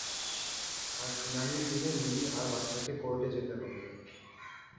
আর শুনানির দিনে মিমি আর বাচ্চাকে কোর্টে যেতে হবে।